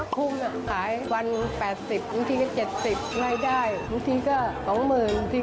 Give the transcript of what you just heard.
คุณน่ะขายวัน๘๐นาทีก็๗๐นาทีก็๒๐๐๐๐นาทีก็๑๘๐๐๐นาที